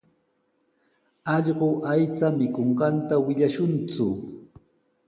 Allqu aycha mikunqanta willashunku.